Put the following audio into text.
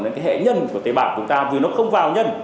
nên hệ nhân của tế bào chúng ta vì nó không vào nhân